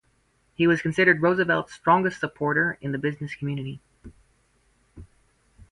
He was considered Roosevelt's strongest supporter in the business community.